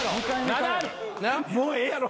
もうええやろ。